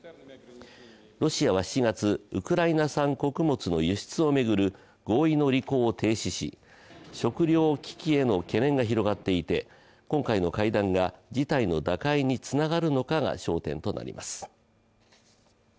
ロシアは７月、ウクライナ産穀物の輸出を巡る合意の履行を停止し食糧危機への懸念が広がっていて今回の会談が事態の打開につながるのかが焦点となります。